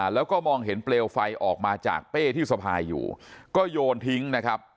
แล้วก็มองเห็นเปลวไฟออกมาจากเป้ที่สะพายอยู่ก็โยนทิ้งนะครับ